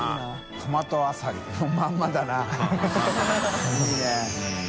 トマトアサリ」そのまんまだな いい諭うん。